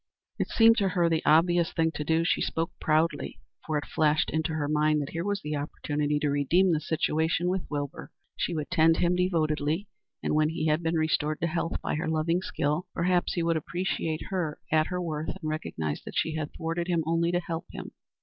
It seemed to her the obvious thing to do. She spoke proudly, for it flashed into her mind that here was the opportunity to redeem the situation with Wilbur. She would tend him devotedly and when he had been restored to health by her loving skill, perhaps he would appreciate her at her worth, and recognize that she had thwarted him only to help him.